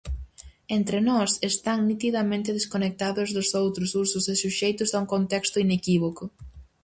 Entre nós, están nitidamente desconectados dos outros usos e suxeitos a un contexto inequívoco.